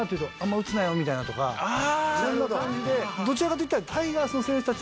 どちらかといったら。